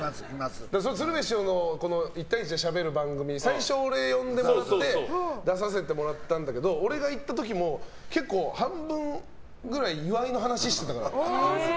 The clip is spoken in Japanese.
鶴瓶師匠の１対１でしゃべる番組最初俺呼んでもらって出させてもらったけど俺が行った時も結構半分ぐらい岩井の話してたから。